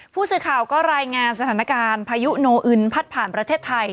ผู้สื่อข่าวก็รายงานสถานการณ์พายุโนอึนพัดผ่านประเทศไทย